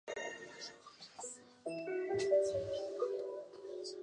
中国最早的金刚宝座塔造型出现在敦煌中北周石窟的壁画之上。